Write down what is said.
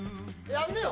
やんなよ。